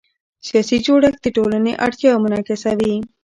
سیاسي جوړښت د ټولنې اړتیاوې منعکسوي